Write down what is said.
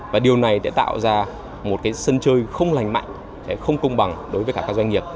và điều này sẽ tạo ra một sân chơi không lành mạnh không công bằng đối với cả các doanh nghiệp